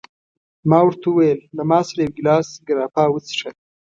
ما ورته وویل: له ما سره یو ګیلاس ګراپا وڅښه.